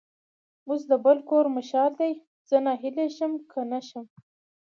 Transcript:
اوس د بل د کور مشال دی؛ زه ناهیلی شم که نه شم.